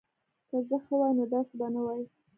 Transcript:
که زه ښه وای نو داسی به نه وای